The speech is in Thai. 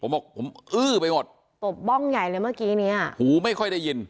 ผมบอกผมอื้อไปหมดตบบ้องใหญ่เลยเมื่อกี้เนี้ยหูไม่ค่อยได้ยิน